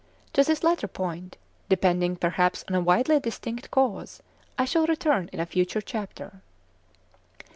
To this latter point, depending perhaps on a widely distinct cause, I shall return in a future chapter.